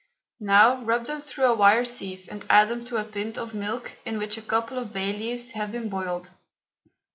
Now rub them through a wire sieve and add them to a pint of milk in which a couple of bay leaves have been boiled.